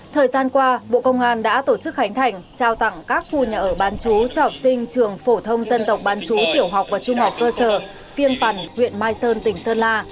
thời gian qua bộ công an đã tổ chức khánh thành trao tặng các khu nhà ở bán chú cho học sinh trường phổ thông dân tộc bán chú tiểu học và trung học cơ sở phiên bản huyện mai sơn tỉnh sơn la